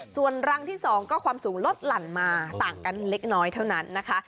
ส่วนรังที่๒ก็ความสูงลดหลั่นมาต่างกันเล็กน้อยเท่านั้นนะคะ